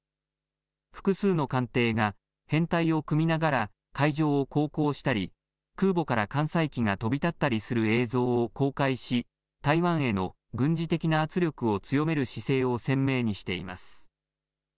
複数の艦艇が編隊を組みながら、海上を航行したり、空母から艦載機が飛び立ったりする映像を公開し、台湾への軍事的な圧力を強める姿勢を鮮明にしています。